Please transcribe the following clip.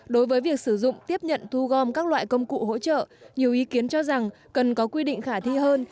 đối với việc sử dụng tiếp nhận thu gom các loại công cụ hỗ trợ nhiều ý kiến cho rằng cần có quy định khả thi hơn